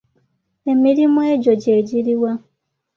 Emirimu egyo gye giri wa?